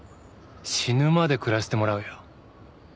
死ぬまで暮らしてもらうよ。